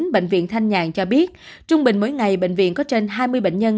bệnh viện thanh nhạng cho biết trung bệnh mỗi ngày bệnh viện có trên hai mươi bệnh nhân